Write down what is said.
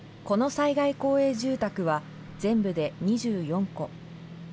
この災害公営住宅は、全部で２４戸。